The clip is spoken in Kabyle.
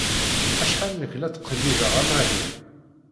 Acḥal nekk la ttqellibeɣ amahil.